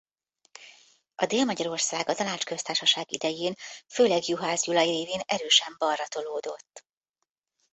A Délmagyarország a Tanácsköztársaság idején főleg Juhász Gyula révén erősen balra tolódott.